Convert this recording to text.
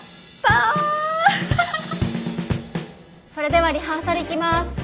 それではリハーサルいきます。